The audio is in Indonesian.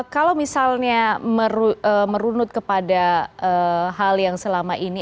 kalau misalnya merunut kepada hal yang selama ini